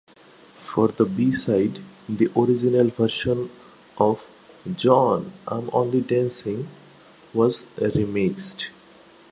For the B-side, the original version of "John, I'm Only Dancing" was remixed.